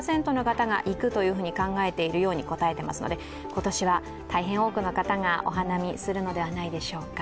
今年は大変多くの方がお花見するのではないでしょうか。